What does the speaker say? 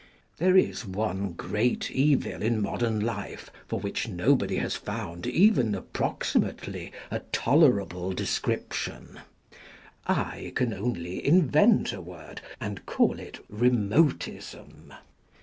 There is one great evil in modern life for which nobody has found even approximately a tolerable de scription : I can only invent a word and call it " remotism."